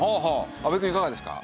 阿部くんいかがですか？